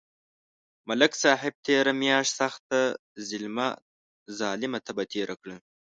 ملک صاحب تېره میاشت سخته ظلمه تبه تېره کړه.